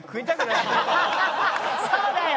そうだよ。